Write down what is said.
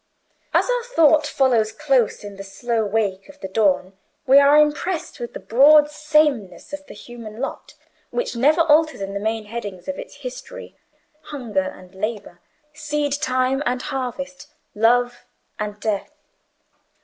As our thought follows close in the slow wake of the dawn, we are impressed with the broad sameness of the human lot, which never alters in the main headings of its history—hunger and labour, seed time and harvest, love and death.